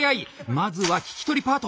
まずは聞き取りパート。